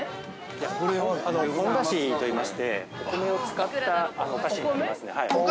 ◆これはポン菓子といいまして、お米を使ったお菓子になります。